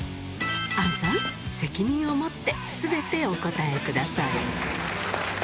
杏さん、責任を持ってすべてお答えください。